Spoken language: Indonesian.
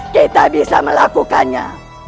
kita bisa melakukannya